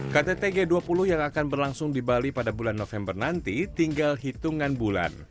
ktt g dua puluh yang akan berlangsung di bali pada bulan november nanti tinggal hitungan bulan